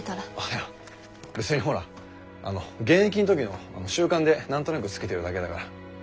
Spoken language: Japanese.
いや別にほらあの現役のときの習慣で何となくつけてるだけだから。